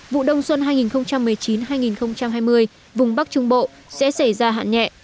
vụ đông xuân hai nghìn một mươi chín hai nghìn hai mươi vùng bắc trung bộ sẽ xảy ra hạn nhẹ